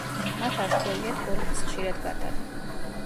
მათ არ სჩვევიათ გოლების ხშირად გატანა.